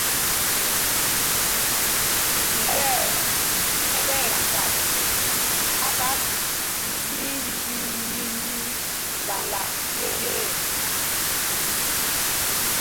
Pup ɛ tí ɛkat kpak mínjüiníní la zye ê.